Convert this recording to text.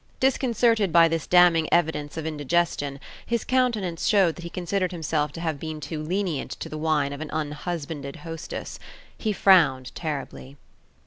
Disconcerted by this damning evidence of indigestion, his countenance showed that he considered himself to have been too lenient to the wine of an unhusbanded hostess. He frowned terribly.